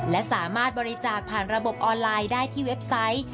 และสามารถบริจาคผ่านระบบออนไลน์ได้ที่เว็บไซต์